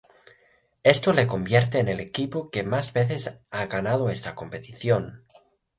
Esto le convierte en el equipo que más veces ha ganado esta competición.